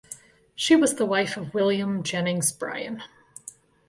She was the wife of William Jennings Bryan.